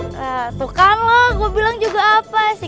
nah tuh kan lo gue bilang juga apa sih